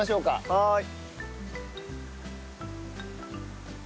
はい。